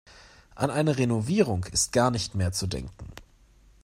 An eine Renovierung ist gar nicht mehr zu denken.